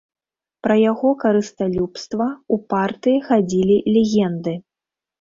Пра яго карысталюбства ў партыі хадзілі легенды.